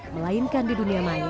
melainkan di dunia maya